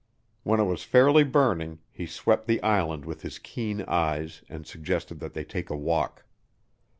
When it was fairly burning, he swept the island with his keen eyes and suggested that they take a walk.